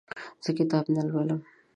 زه کتاب نه لولم.